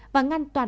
và ngăn tỏa bệnh